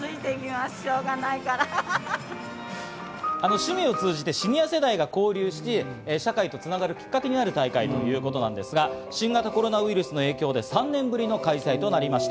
趣味を通じてシニア世代が交流して、社会と繋がるきっかけとなるということで入ったということなんですが、新型コロナウイルスの影響で３年ぶりの開催となりました。